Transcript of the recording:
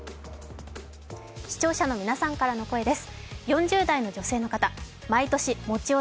視聴者の皆さんからの声です。